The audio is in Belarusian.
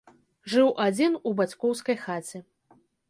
Жыў адзін у бацькоўскай хаце.